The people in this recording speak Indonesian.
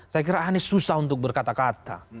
saya kira anies susah untuk berkata kata